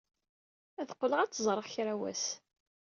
Ad qqleɣ ad tt-ẓreɣ kra n wass.